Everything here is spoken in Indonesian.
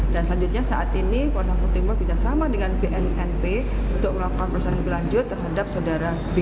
dan selanjutnya saat ini kabupaten lampung timur bersama dengan bnnp untuk melakukan perusahaan berlanjut terhadap saudara b